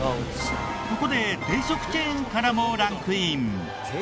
ここで定食チェーンからもランクイン。